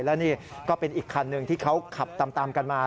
และนี่ก็เป็นอีกคันหนึ่งที่เขาขับตามกันมา